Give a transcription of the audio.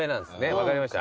分かりました。